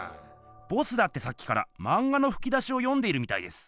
ボスだってさっきからまん画のふき出しを読んでいるみたいです。